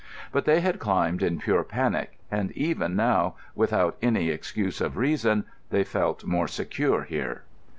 But they had climbed in pure panic, and even now, without any excuse of reason, they felt more secure here.